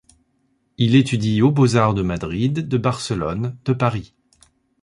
Il étudie aux Beaux-Arts de Madrid, de Barcelone, de Paris.